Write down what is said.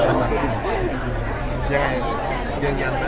เดินอย่างเดิน